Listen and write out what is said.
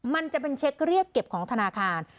มันจะเป็นเช็คเรียกเก็บของธนาคาร